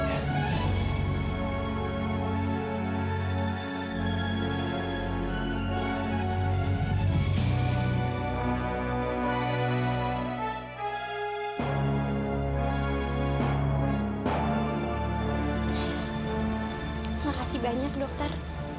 terima kasih banyak dokter